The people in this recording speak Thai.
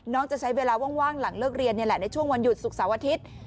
จะใช้เวลาว่างหลังเลิกเรียนนี่แหละในช่วงวันหยุดศุกร์เสาร์อาทิตย์